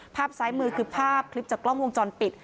ภาพซ้ายมือคือภาพคลิปจากกล้องวงจรปิด